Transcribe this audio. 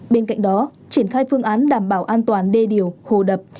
bên cạnh đó triển khai phương án đảm bảo an toàn đê điều hồ đập